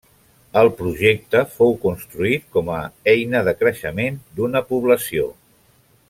El projecte fou construït com a eina de creixement d'una població.